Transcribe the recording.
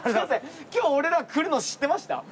今日俺ら来るの知ってました？